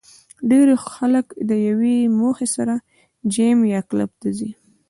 ډېری خلک د یوې موخې سره جېم یا کلب ته ځي